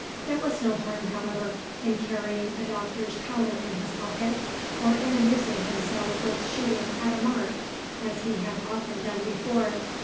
There was no harm, however, in carrying a doctor's powder in his pocket, or in amusing himself with shooting at a mark, as he had often done before.